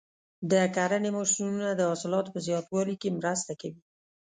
د کرنې ماشینونه د حاصلاتو په زیاتوالي کې مرسته کوي.